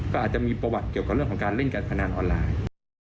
ก็อาจจะมีประวัติเกี่ยวกับเรื่องของการเล่นการพนันออนไลน์